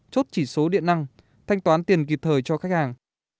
chốt chỉ số điện năng thanh toán tiền kịp thời cho khách hàng